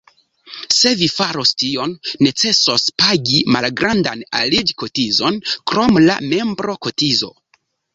Se vi faros tion, necesos pagi malgrandan aliĝ-kotizon krom la membro-kotizo.